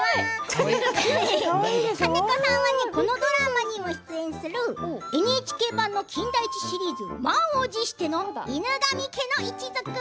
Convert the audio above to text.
金子さんはこのドラマにも出演するＮＨＫ版の金田一シリーズ満を持しての「犬神家の一族」。